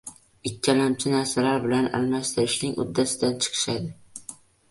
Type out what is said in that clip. ikkilamchi narsalar bilan almashtirishning uddasidan chiqishadi